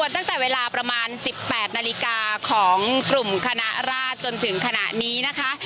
ตั้งแต่เวลาประมาณ๑๘นาฬิกาของกลุ่มคณะราชจนถึงขณะนี้นะคะ